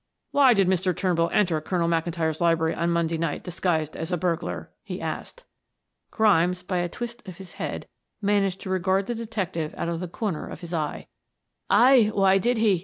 "Why did Mr. Turnbull enter Colonel McIntyre's library on Monday night disguised as a burglar?" he asked. Grimes, by a twist of his head, managed to regard the detective out of the corner of his eye. "Aye, why did he?"